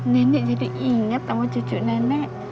nenek jadi ingat sama cucu nenek